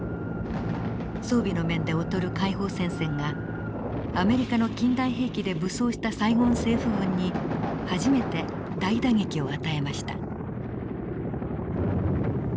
装備の面で劣る解放戦線がアメリカの近代兵器で武装したサイゴン政府軍に初めて大打撃を与えました。